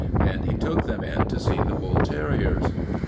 Then he took them in to see the bull terriers.